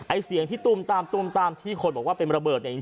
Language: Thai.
ไอ้เสียงที่ตุ่มตามที่คนบอกว่าเป็นระเบิดเนี่ย